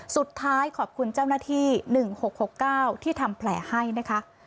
สุดท้ายขอบคุณเจ้าหน้าที่๑๖๖๙ที่ทำแผลให้นะคะ